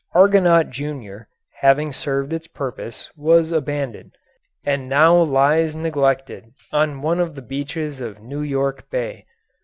Argonaut Junior, having served its purpose, was abandoned, and now lies neglected on one of the beaches of New York Bay.